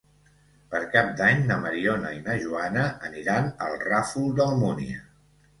Per Cap d'Any na Mariona i na Joana aniran al Ràfol d'Almúnia.